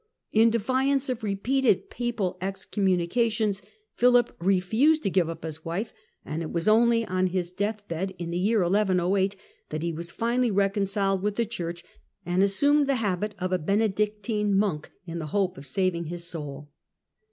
In defiance of repeated papal excommunications, Philip refused to give up his wife, and it was only on his death bed, in the year 1108, that he was finally reconciled with the Church, and assumed the habit of a Benedictine monk in the hope of saving his soul.